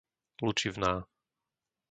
Lučivná